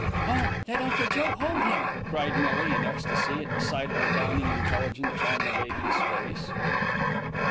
"Oh! let Uncle Joe hold him," cried Millie, in ecstasy at the sight of the dawning intelligence on the baby's face.